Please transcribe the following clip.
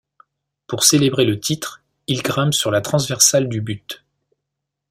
Pour célébrer le titre, il grimpe sur la transversale du but.